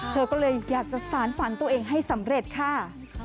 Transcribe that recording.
เธอก็เลยอยากจะสารฝันตัวเองให้สำเร็จค่ะ